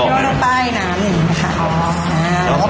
พลังไปน้ำ๑ครับ